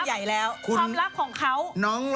อ้าวถูกต้อง